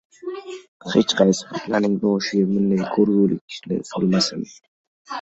Hech qaysi bandaning boshiga bunday koʻrgulikni solmasin